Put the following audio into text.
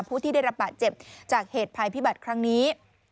ผู้ที่ได้รับบาดเจ็บจากเหตุภัยพิบัติครั้งนี้